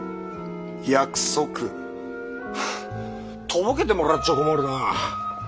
約束？はあとぼけてもらっちゃ困るな。